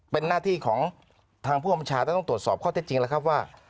เป็นหน้าที่ของทางผู้อำชาต้องตรวจสอบข้อเท็จจริงแล้วครับว่า